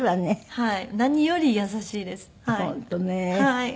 はい。